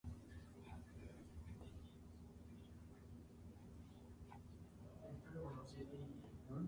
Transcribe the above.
The roof is shallow.